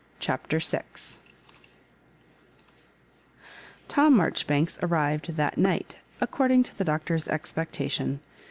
CHAPTER VL Tom Marjoribanks arrived that night, according to the Doctor's expectation.